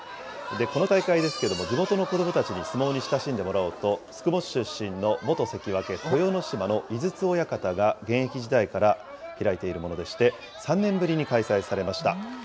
この大会ですけれども、地元の子どもたちに相撲に親しんでもらおうと、宿毛市出身の元関脇・豊ノ島の井筒親方が現役時代から開いているものでして、３年ぶりに開催されました。